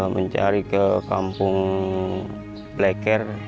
mencari ke kampung bleker